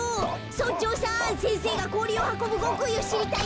村長さん先生がこおりをはこぶごくいをしりたいといっています。